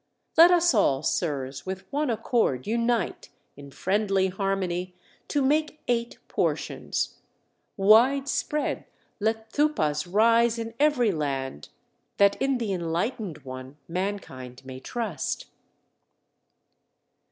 Let us all, sirs, with one accord unite In friendly harmony to make eight portions. Wide spread let Thupas rise in every land That in the Enlightened One mankind may trust!"